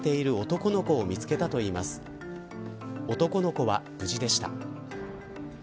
男の子は無事でした。